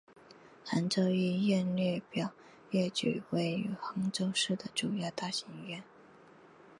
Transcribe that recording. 杭州医院列表列举位于杭州市的主要大型医院。